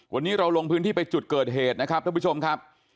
วันนี้เราลงพื้นที่ไปจุดเกิดเหตุนะครับท่านผู้ชมครับ